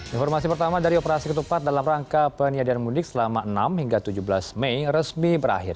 informasi pertama dari operasi ketupat dalam rangka penyediaan mudik selama enam hingga tujuh belas mei resmi berakhir